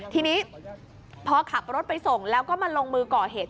ทีนี้พอขับรถไปส่งแล้วก็มาลงมือก่อเหตุ